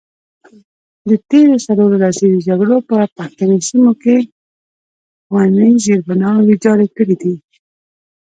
د تیرو څلورو لسیزو جګړو په پښتني سیمو کې ښوونیز زیربناوې ویجاړې کړي دي.